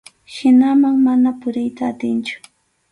Hinaman mana puriyta atinchu.